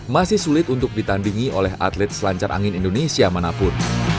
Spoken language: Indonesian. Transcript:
masih sulit untuk ditandingi oleh atlet selancar angin indonesia manapun